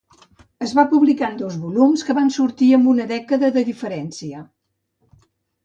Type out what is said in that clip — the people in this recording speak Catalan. Es va publicar en dos volums que van sortir amb una dècada de diferència.